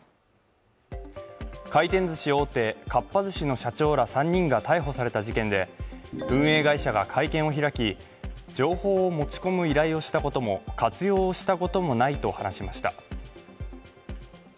回転ずし大手、かっぱ寿司の社長ら３人が逮捕された事件で運営会社が会見を開き情報を持ち込む依頼をしたことも活用をしたこともないと話しました。